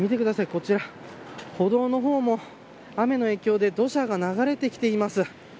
こちら歩道の方も雨の影響で土砂が流れてきています。